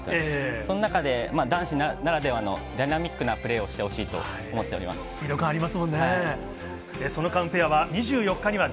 その中で男子ならではのダイナミックなプレーをしてほしいです。